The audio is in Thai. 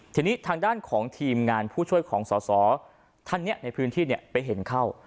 ทีนี้ทางด้านของทีมงานผู้ช่วยของสอสอท่านนี้ในพื้นที่ไปเห็นเข้า